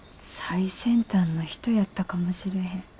最先端の人やったかもしれへん。